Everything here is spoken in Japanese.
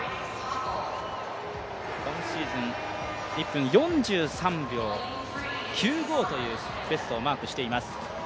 今シーズン、１分４３秒９５というベストをマークしています。